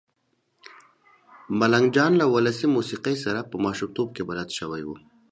ملنګ جان له ولسي موسېقۍ سره په ماشومتوب کې بلد شوی و.